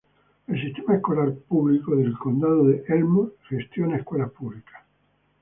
El Sistema Escolar Pública de Condado de Elmore gestiona escuelas públicas.